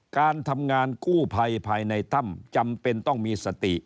การทำงานกู้ภัยภายในถ้ำจำเป็นต้องมีสติ